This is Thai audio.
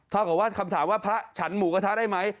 เท่ากับคำถามว่าพระชันหมูกระทะได้ไหม